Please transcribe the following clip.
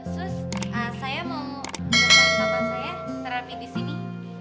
sus saya mau bawa papa saya terapi di sini